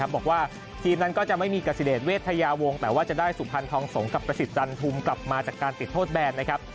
บอกว่าทีมนั้นก็จะไม่มีกสิเดชเวทยาวงแต่ว่าจะได้สุพรรณทองสงกับประสิทธิจันทุมกลับมาจากการติดโทษแบนนะครับ